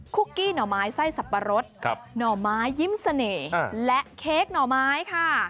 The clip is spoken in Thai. คุกกี้หน่อไม้ไส้สับปะรดหน่อไม้ยิ้มเสน่ห์และเค้กหน่อไม้ค่ะ